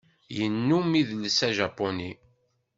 Yennum idles ajapuni.